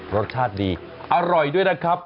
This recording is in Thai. รสชาติดีอร่อยด้วยนะครับ